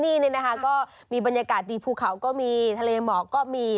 นี่นะคะก็มีบรรยากาศดีภูเขาก็มีทะเลหมอกก็มี